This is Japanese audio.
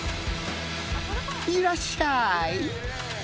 いらっしゃい。